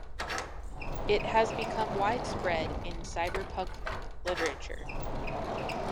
It has become widespread in cyberpunk literature.